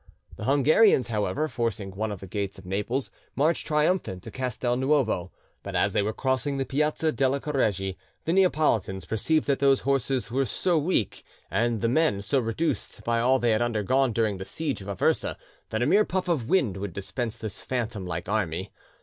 The Hungarians, however, forcing one of the gates of Naples, marched triumphant to Castel Nuovo. But as they were crossing the Piazza delle Correggie, the Neapolitans perceived that the horses were so weak and the men so reduced by all they had undergone during the siege of Aversa that a mere puff of wind would dispense this phantom like army.